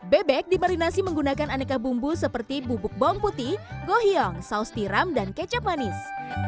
bebek dimarinasi menggunakan aneka bumbu seperti bubuk bawang putih gohiong saus tiram dan kecap manis